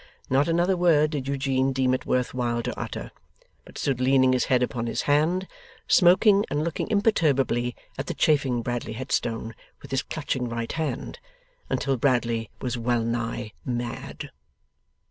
Not another word did Eugene deem it worth while to utter, but stood leaning his head upon his hand, smoking, and looking imperturbably at the chafing Bradley Headstone with his clutching right hand, until Bradley was wellnigh mad.